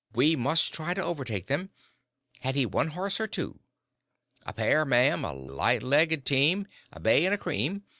We must try to overtake them. Had he one horse or two?" "A pair, ma'am a light legged team a bay and a cream.